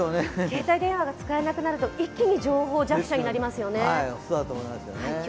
携帯電話が使えなくなると一気に情報弱者になりますもんね。